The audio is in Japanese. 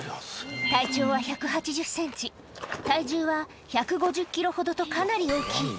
体長は１８０センチ、体重は１５０キロほどとかなり大きい。